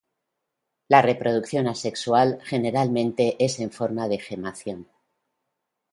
La reproducción asexual generalmente es en forma de gemación.